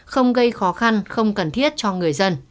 không gây khó khăn không cần thiết cho người dân